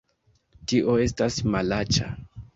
Tio estas malaĉa!